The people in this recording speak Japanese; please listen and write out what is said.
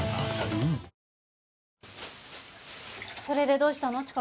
それでどうしたの？